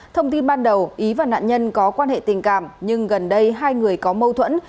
thông tin ban đầu ý và nạn nhân có quan hệ tình cảm nhưng gần đây hai người có mâu thuẫn